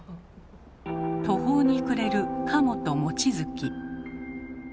途方に暮れる加茂と望月。